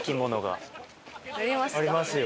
ありますよ。